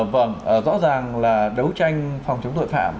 vâng rõ ràng là đấu tranh phòng chống tội phạm